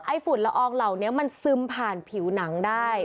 ฝุ่นละอองเหล่านี้มันซึมผ่านผิวหนังได้